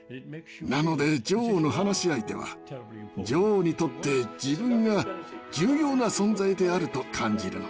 なので女王の話し相手は女王にとって自分が重要な存在であると感じるのです。